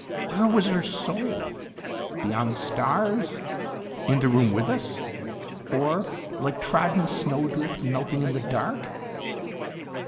Where was her soul? Beyond the stars, in the room with us, or "like trodden snowdrift melting in the dark?"